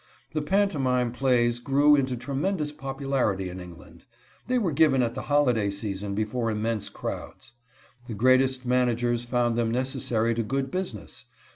The pantomime plays grew into tremendous popularity in England. They were given at the holiday season before immense crowds. The greatest managers found them necessary to good business.